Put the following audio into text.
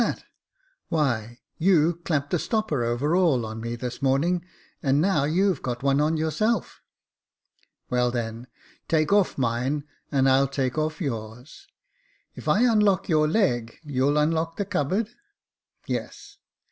Jacob Faithful 79 " Why, you clapped a stopper over all on me this morning, and now you've got one on yourself." " Well, then, take off mine, and I'll take off yours." *' If I unlock your leg, you'll unlock the cupboard ?"♦♦ Yes."